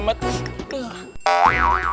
ban sang tem